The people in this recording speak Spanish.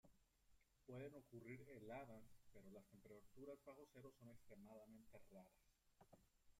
Pueden ocurrir heladas, pero las temperaturas bajo cero son extremadamente raras.